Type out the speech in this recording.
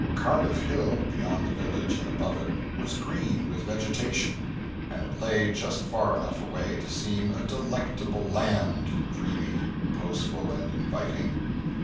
Cardiff Hill, beyond the village and above it, was green with vegetation and it lay just far enough away to seem a Delectable Land, dreamy, reposeful, and inviting.